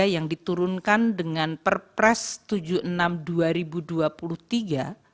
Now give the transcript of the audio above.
yang diturunkan dengan perpres tujuh puluh enam dua ribu dua puluh tiga